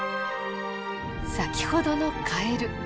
先ほどのカエル。